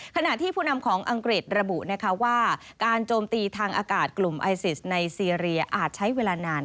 ขณะที่ผู้นำของอังกฤษระบุว่าการโจมตีทางอากาศกลุ่มไอซิสในซีเรียอาจใช้เวลานาน